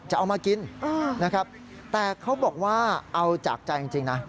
จะเอามากินนะครับแต่เขาบอกว่าเอาจากใจจริงนะ